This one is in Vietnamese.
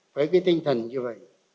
với cái tinh thần như vậy